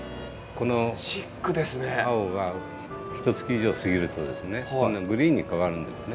この青がひとつき以上過ぎると今度はグリーンに変わるんですね。